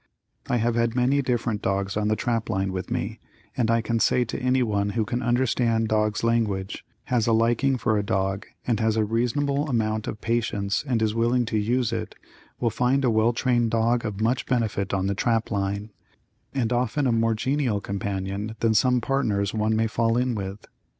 I have had many different dogs on the trap line with me, and I can say to any one who can understand dog's language, has a liking for a dog and has a reasonable amount of patience and is willing to use it, will find a well trained dog of much benefit on the trap line, and often a more genial companion than some partners one may fall in with.